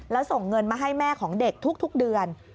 แล้วส่งเงินมาให้แม่ของเด็กทุกเดือน